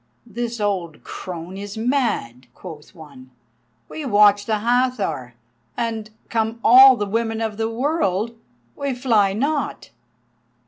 "This old crone is mad," quoth one. "We watch the Hathor, and, come all the women of the world, we fly not."